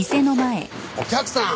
お客さん！